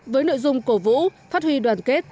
với nội dung cổ vũ phát huy đoàn kết